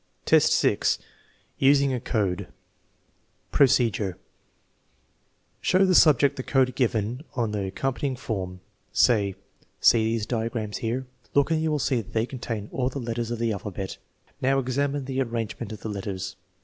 Average adult, 6 : using a code Procedure, Show the subject the code given on the accompanying form. Say: "See these diagrams here. Look and you mill see that they contain all the letters of the alphabet. Now, examine the arrangement of the letters.